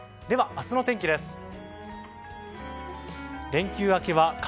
では明日の天気です。